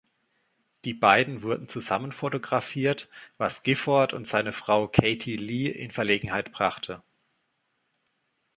Die beiden wurden zusammen fotografiert, was Gifford und seine Frau Kathie Lee in Verlegenheit brachte.